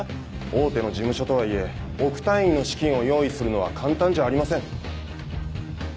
大手の事務所とはいえ億単位の資金を用意するのは簡単じゃありません。